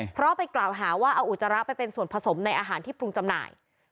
เพราะไปกล่าวหาว่าเอาอุจจาระไปเป็นส่วนผสมในอาหารที่ปรุงจำหน่าย